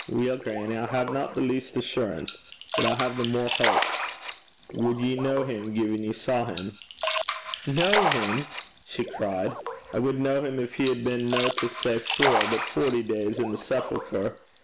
'Weel, grannie, I haena the least assurance. But I hae the mair houp. Wad ye ken him gin ye saw him?' 'Ken him!' she cried; 'I wad ken him gin he had been no to say four, but forty days i' the sepulchre!